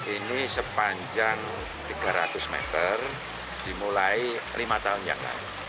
ini sepanjang tiga ratus meter dimulai lima tahun yang lalu